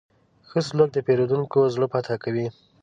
ښه سلوک د پیرودونکي زړه فتح کوي.